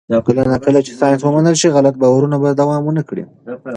کله نا کله چې ساینس ومنل شي، غلط باورونه به دوام ونه کړي.